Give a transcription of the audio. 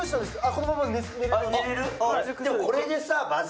このまま寝れます